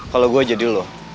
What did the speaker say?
kalau gua jadi lu